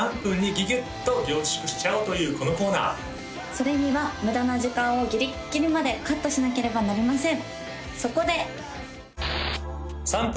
それには無駄な時間をギリッギリまでカットしなければなりません